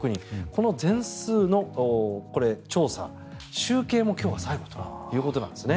この全数の調査、集計も今日が最後ということなんですね。